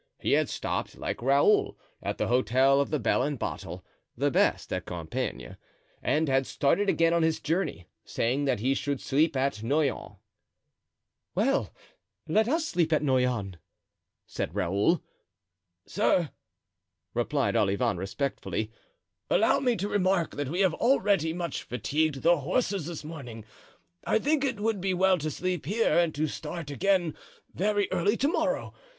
He had stopped, like Raoul, at the Hotel of the Bell and Bottle, the best at Compiegne; and had started again on his journey, saying that he should sleep at Noyon. "Well, let us sleep at Noyon," said Raoul. "Sir," replied Olivain, respectfully, "allow me to remark that we have already much fatigued the horses this morning. I think it would be well to sleep here and to start again very early to morrow.